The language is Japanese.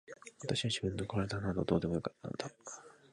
私は自分の体などどうでもよかったのだ。